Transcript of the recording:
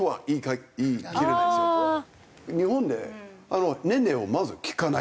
日本で年齢をまず聞かない。